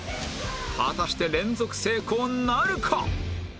果たして連続成功なるか？